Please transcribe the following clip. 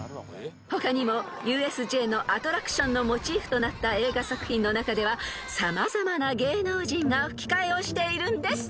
［他にもＵＳＪのアトラクションのモチーフとなった映画作品の中では様々な芸能人が吹き替えをしているんです］